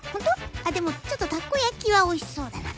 あでもちょっとたこやきはおいしそうだな。